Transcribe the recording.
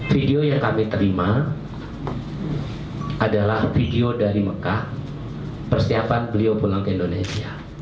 video yang kami terima adalah video dari mekah persiapan beliau pulang ke indonesia